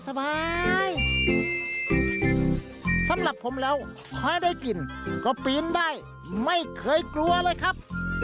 สำหรับผมแล้วถ้าได้กินก็ปีนได้ไม่เคยกลัวเลยครับ